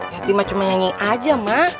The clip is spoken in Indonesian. yati mah cuma nyanyi aja mak